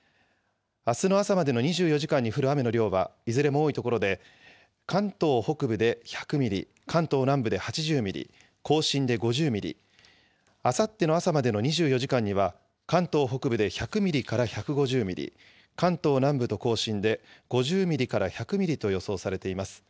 あすの朝までの２４時間に降る雨の量は、いずれも多い所で、関東北部で１００ミリ、関東南部で８０ミリ、甲信で５０ミリ、あさっての朝までの２４時間には、関東北部で１００ミリから１５０ミリ、関東南部と甲信で、５０ミリから１００ミリと予想されています。